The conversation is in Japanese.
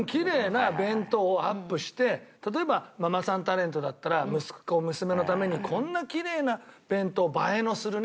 例えばママさんタレントだったら息子娘のためにこんなきれいな弁当映えのするね